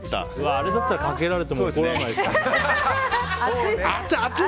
あれだったらかけられても怒らないですね。